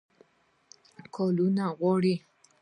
کلونو وغواړي.